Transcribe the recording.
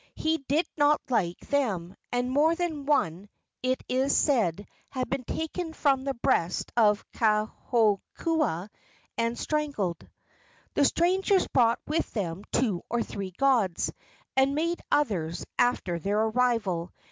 He did not like them, and more than one, it is said, had been taken from the breast of Kaholekua and strangled. The strangers brought with them two or three gods, and made others after their arrival.